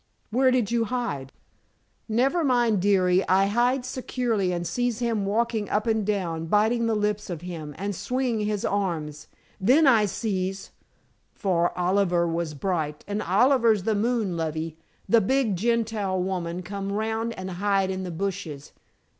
"Where did you hide?" "Never mind, dearie. I hides securely, and sees him walking up and down biting the lips of him and swinging his arms. Then I sees for Oliver was bright, and Oliver's the moon, lovey the big Gentile woman come round and hide in the bushes.